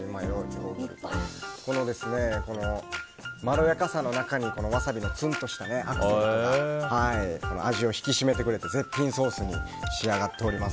このまろやかさの中にワサビのツンとしたアクセントが味を引き締めてくれて絶品ソースに仕上がっております。